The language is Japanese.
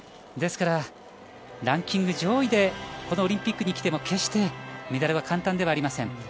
ですからランキング上位でこのオリンピックに来ても決してメダルは簡単ではありません。